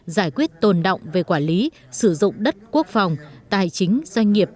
giải quyết tồn động về quản lý sử dụng đất quốc phòng tài chính doanh nghiệp